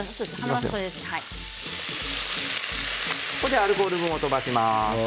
ここでアルコールを飛ばします。